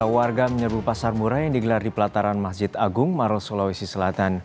warga menyerbu pasar murah yang digelar di pelataran masjid agung maros sulawesi selatan